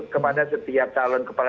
kepada setiap calon kepala